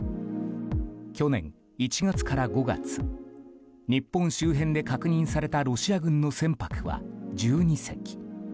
去年１月から５月日本周辺で確認されたロシア軍の船舶は１２隻。